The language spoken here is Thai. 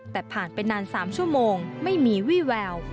แต่ผ่านไปนาน๓ชั่วโมงไม่มีวี่แวว